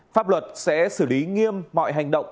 pháp luật sẽ xử lý nghiêm mọi hành động